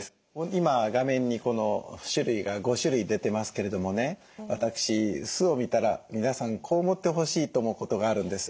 今画面に種類が５種類出てますけれどもね私酢を見たら皆さんこう思ってほしいと思うことがあるんです。